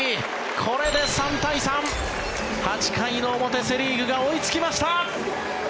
これで３対３８回の表、セ・リーグが追いつきました。